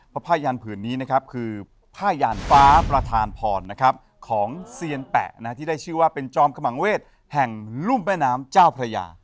เพราะผ้ายานผืนนี้นะครับคือผ้ายานฟ้าประธานพรของเซียนแปะที่ได้ชื่อว่าเป็นจอมขมังเวศแห่งลุ่มแม่น้ำเจ้าพระยา